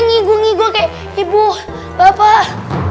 ngiguh ngiguh kayak ibu bapak